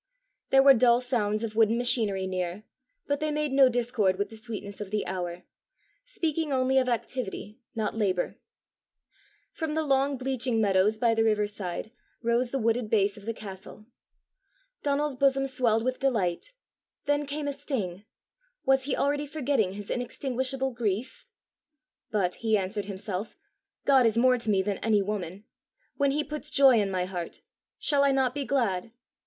There were dull sounds of wooden machinery near, but they made no discord with the sweetness of the hour, speaking only of activity, not labour. From the long bleaching meadows by the river side rose the wooded base of the castle. Donal's bosom swelled with delight; then came a sting: was he already forgetting his inextinguishable grief? "But," he answered himself, "God is more to me than any woman! When he puts joy in my heart, shall I not be glad?